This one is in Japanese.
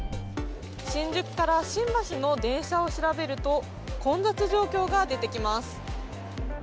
新宿から新橋の電車を調べると混雑状況が出てきます。